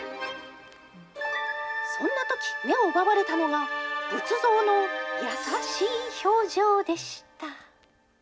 そんなとき、目を奪われたのが、仏像の優しい表情でした。